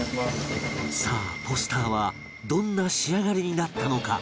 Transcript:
さあポスターはどんな仕上がりになったのか？